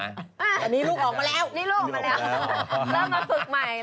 อันนี้ลูกออกมาแล้ว